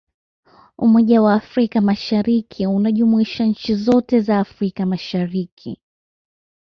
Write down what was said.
umoja wa afrika mashariki unajumuisha nchi zote za afrika mashariki